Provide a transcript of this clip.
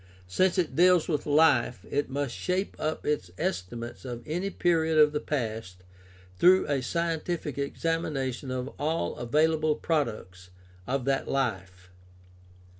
Since it deals with life, it must shape up its estimates of any period of the past through a scientific examination of all available products of that life.